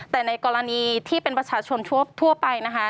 แต่ในกรณีที่เป็นประชาชนทั่วไปนะคะ